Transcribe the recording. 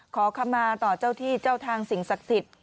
ขอคำมาต่อเจ้าที่เจ้าทางสิ่งศักดิ์สิทธิ์